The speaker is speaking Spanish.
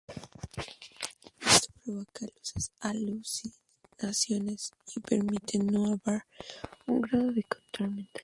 Esto provoca alucinaciones y permite a Noh-Varr un grado de control mental.